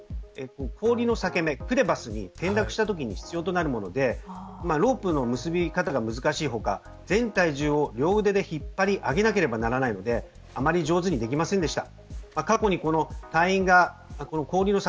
氷のさけ目クレバスに転落したときに必要となることでロープの結び方が難しいとか全体重を両腕で引っ張り上げなければいけないのであまり上手にできませんでした。